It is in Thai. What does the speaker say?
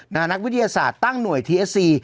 นักวิทยาศาสตร์ตั้งหน่วยทีเอฟซี